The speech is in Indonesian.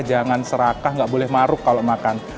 jangan serakah nggak boleh maruk kalau makan